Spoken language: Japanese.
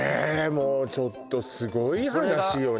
もうちょっとすごい話よね